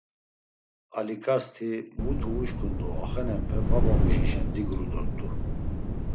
Aliǩasti, muti uşǩun do axenenpe babamuşişen diguru dort̆u.